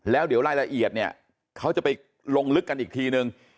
แล้วเดี๋ยวรายละเอียดเนี่ยเขาจะไปลงลึกกันอีกทีนึง